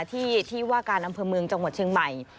ที่ที่ว่าการอำเภอเมืองจังหวัดเชียงใหม่